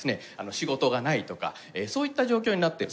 仕事がないとかそういった状況になってる。